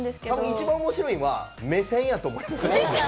一番面白いんは、目線やと思いますよ。